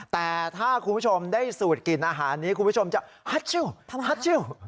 แต่ถ้าคุณผู้ชมได้สูตรกลิ่นอาหารนี้คุณผู้ชมจะฮัชชิลฮัชชิล